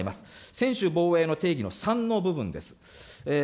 専守防衛の定義の３の部分です。